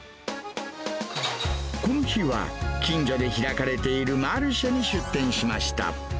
この日は、近所で開かれているマルシェに出店しました。